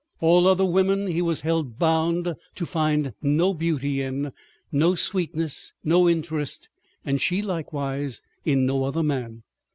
All other women he was held bound to find no beauty in, no sweetness, no interest; and she likewise, in no other man.